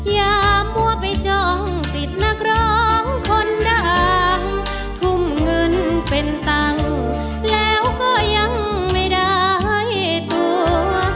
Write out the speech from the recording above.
อย่ามั่วไปจ้องติดนักร้องคนดังทุ่มเงินเป็นตังค์แล้วก็ยังไม่ได้ตัว